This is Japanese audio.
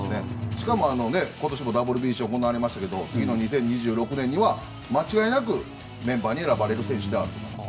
しかも今年もＷＢＣ行われましたけど次の２０２６年には間違いなくメンバーに選ばれる選手であると思います。